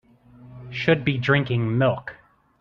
Should be drinking milk.